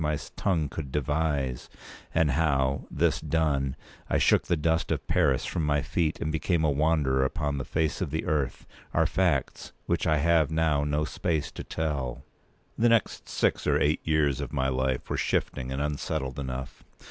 208my tongue could devise—and how, this done, I shook the dust of Paris from my feet, and became a wanderer upon the face of the earth, are facts which I have now no space to tell. The next six or eight years of my life were shifting and unsettled enough.